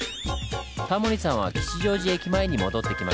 タモリさんは吉祥寺駅前に戻ってきました。